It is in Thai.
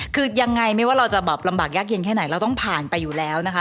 คือยังไงไม่ว่าเราจะแบบลำบากยากเย็นแค่ไหนเราต้องผ่านไปอยู่แล้วนะคะ